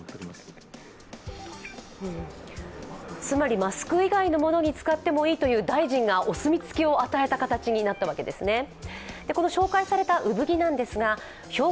つまりマスク以外のものに使ってもいいと大臣がお墨付きを与えた形になったわけですね。